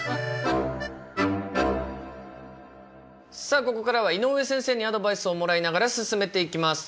さあここからは井上先生にアドバイスをもらいながら進めていきます。